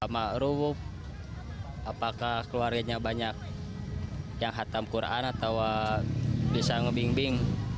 makruf apakah keluarganya banyak yang hatam quran atau bisa ngebimbing